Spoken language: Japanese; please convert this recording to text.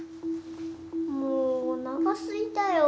もうおなかすいたよ。